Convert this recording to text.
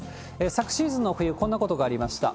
昨シーズンの冬、こんなことがありました。